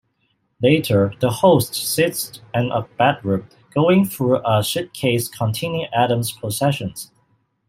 Later, the Host sits in a bedroom, going through a suitcase containing Adam's possessions.